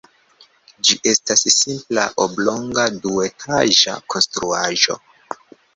Ĝi estas simpla oblonga duetaĝa konstruaĵo.